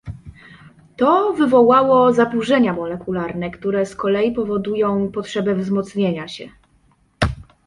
"To wywołało zaburzenia molekularne, które z kolei powodują potrzebę wzmocnienia się."